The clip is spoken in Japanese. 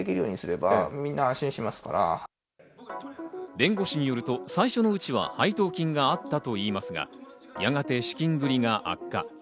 弁護士によると最初のうちは配当金があったといいますが、やがて資金繰りが悪化。